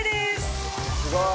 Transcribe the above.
すごい！